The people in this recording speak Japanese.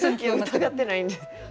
疑ってないんです。